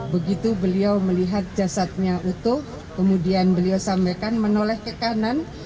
begitu beliau melihat jasadnya utuh kemudian beliau sampaikan menoleh ke kanan